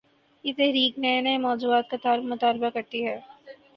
یہ 'تحریک‘ نئے نئے مو ضوعات کا مطالبہ کر تی ہے۔